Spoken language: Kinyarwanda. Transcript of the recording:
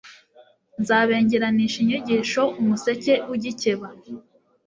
nzabengeranisha inyigisho umuseke ugikeba